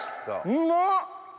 うまっ！